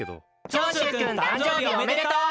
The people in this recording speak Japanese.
長州くん誕生日おめでとう！